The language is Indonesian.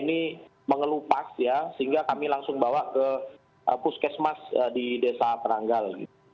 ini mengelupas ya sehingga kami langsung bawa ke puskesmas di desa teranggal